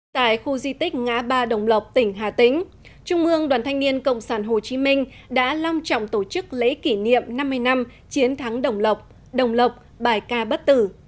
tại khu di tích ngã ba đồng lộc tỉnh hà tĩnh trung ương đoàn thanh niên cộng sản hồ chí minh đã long trọng tổ chức lễ kỷ niệm năm mươi năm chiến thắng đồng lộc đồng lộc bài ca bất tử